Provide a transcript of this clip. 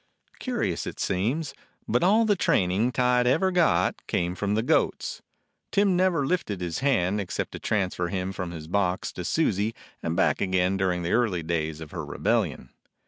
Curious it seems, but all the training Tige ever got came from the goats : Tim never lifted his hand except to transfer him from his box to Susie and back again during the early days of her rebellion.